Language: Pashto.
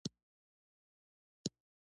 کوچیان د افغانستان د زرغونتیا نښه ده.